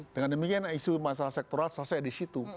dengan demikian isu masalah sektoral selesai di situ